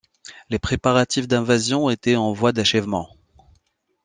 Les préparatifs d'invasion étaient en voie d'achèvement.